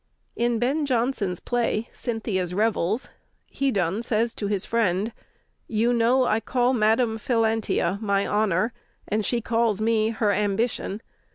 In Ben Jonson's play, "Cynthia's Revels," Hedon says to his friend: "You know I call Madam Philantia, my Honor; and she calls me her Ambition.